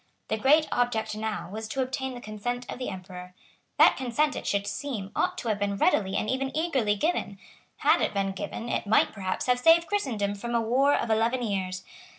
The great object now was to obtain the consent of the Emperor. That consent, it should seem, ought to have been readily and even eagerly given. Had it been given, it might perhaps have saved Christendom from a war of eleven years.